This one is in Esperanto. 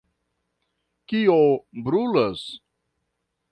kio brulas?